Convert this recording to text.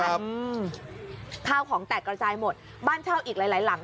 อืมข้าวของแตกระจายหมดบ้านเช่าอีกหลายหลายหลัง